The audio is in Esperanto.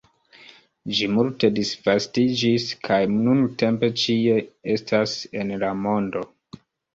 Ĝi multe disvastiĝis kaj nuntempe ĉie estas en la mondo.